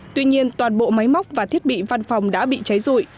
tuy nhiên toàn bộ máy móc và thiết bị văn phòng đã bị cháy rụi